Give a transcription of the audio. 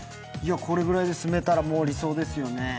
これぐらいで住めたら理想ですよね。